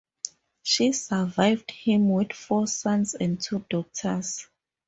She survived him with four sons and two daughters.